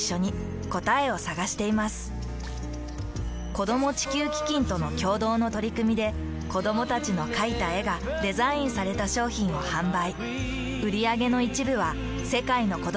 子供地球基金との共同の取り組みで子どもたちの描いた絵がデザインされた商品を販売。